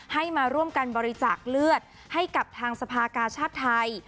ให้มาร่วมกันบริจาคเลือดให้กับทางสภากาชาติไทย